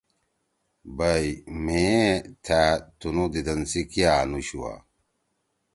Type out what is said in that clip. بَئی میئے تھأ تُنُودیدن سی کیا انو شُوا۔